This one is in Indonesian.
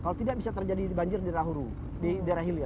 kalau tidak bisa terjadi banjir di rahuru di daerah hilir